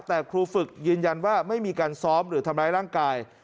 แต่ครูฝึกยืนยันว่าไม่มีการซ้อมหรือทำร้ายร่างกาย